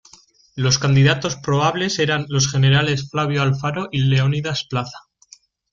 Los candidatos probables eran los generales Flavio Alfaro y Leonidas Plaza.